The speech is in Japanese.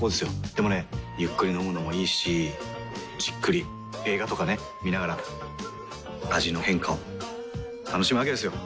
でもねゆっくり飲むのもいいしじっくり映画とかね観ながら味の変化を楽しむわけですよ。